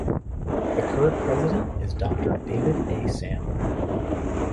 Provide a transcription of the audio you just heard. The current president is Doctor David A. Sam.